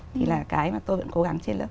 thì là cái mà tôi vẫn cố gắng trên lớp